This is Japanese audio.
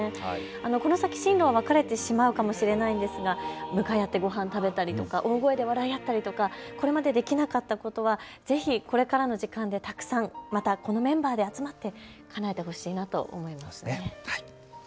この先、進路は分かれてしまうかもしれないんですが向かい合ってごはんを食べたりとか大声で笑い合ったりとかこれまでできなかったことはぜひこれからの時間でたくさんまたこのメンバーで集まってかなえてほしいなと思いますね。